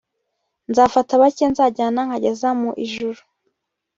nzafata bake nzajyana nkageza mu ijuru